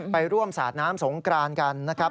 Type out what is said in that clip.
ไปร่วมสาดน้ำสงกรานกันนะครับ